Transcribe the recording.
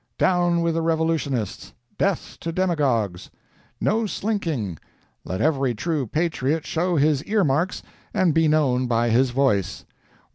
Down with the revolutionists! Death to demagogues! No slinking! Let every true patriot show his ear marks and be known by his voice!